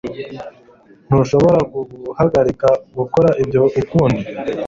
Ntushobora guhagarika gukora ibyo ukundi